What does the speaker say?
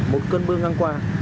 một cơn mưa ngang qua